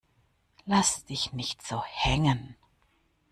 Lass dich nicht so hängen!